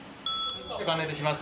ご案内いたします。